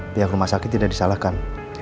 pihak rumah sakit tidak disalahkan